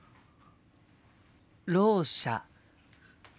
ろう者。